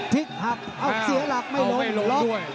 ทิกหักเอาเสียหลักไม่ลง